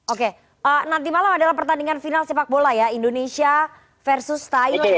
oke nanti malam adalah pertandingan final sepak bola ya indonesia versus thailand